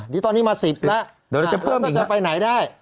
นี่ตอนนี้มาสิบแล้วเดี๋ยวเราจะเพิ่มอีกครับแล้วก็จะไปไหนได้